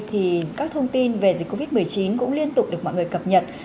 thì các thông tin về dịch covid một mươi chín cũng liên tục được mọi người cập nhật